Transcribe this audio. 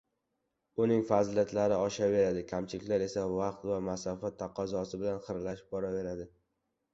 uning fazilatlari oshaveradi, kamchiliklari esa vaqt va masofa taqozosi bilan xiralashib boraveradi